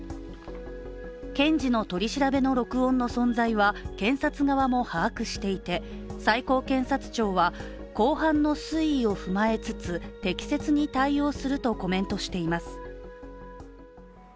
検事の取り調べの録音の存在は検察側も把握していて最高検察庁は、公判の推移を踏まえつつ適切に対応するとコメントしています。